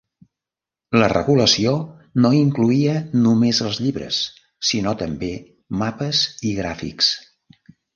La regulació no incloïa només els llibres, sinó també mapes i gràfics.